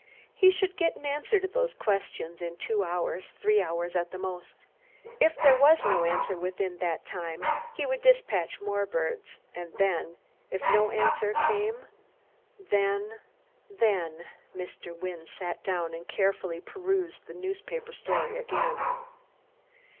He should get an answer to those questions in two hours, three hours at the most. If there was no answer within that time he would despatch more birds, and then, if no answer came, then then Mr. Wynne sat down and carefully perused the newspaper story again.